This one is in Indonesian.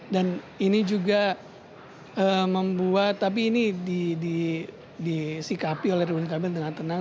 dan ini juga membuat tapi ini disikapi oleh ridwan kamil dengan tenang